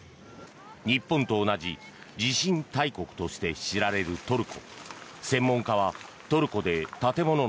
日本と同じ地震大国として知られるトルコ。